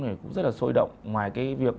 này cũng rất là sôi động ngoài cái việc